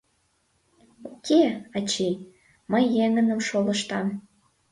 Уке, ачий, мый еҥыным шолыштам.